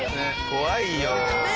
怖いよ。